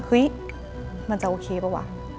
เฮ้ยมันจะโอเคเปล่าวะ